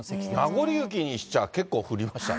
なごり雪にしちゃ、結構降りましたね。